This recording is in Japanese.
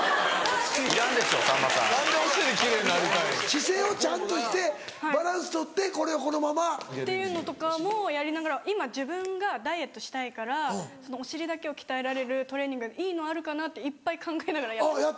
姿勢をちゃんとしてバランス取ってこれをこのまま。っていうのとかもやりながら今自分がダイエットしたいからお尻だけを鍛えられるトレーニングいいのあるかな？っていっぱい考えながらやってます。